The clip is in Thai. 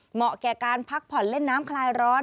เหมาะแก่การพักผ่อนเล่นน้ำคลายร้อน